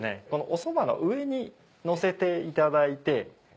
おそばの上にのせていただいて。